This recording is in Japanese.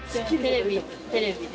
テレビで。